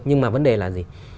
nhưng mà vấn đề là gì